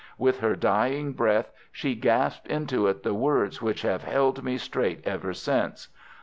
With her dying breath she gasped into it the words which have held me straight ever since.